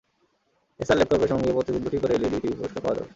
এসার ল্যাপটপের সঙ্গে প্রতিদিন দুটি করে এলইডি টিভি পুরস্কার পাওয়া যাবে।